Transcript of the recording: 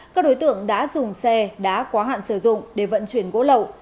các đối tượng đã dùng xe đã quá hạn sử dụng để vận chuyển gỗ lậu